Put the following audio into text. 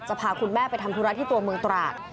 พาคุณแม่ไปทำธุระที่ตัวเมืองตราด